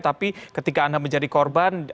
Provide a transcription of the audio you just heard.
tapi ketika anda menjadi korban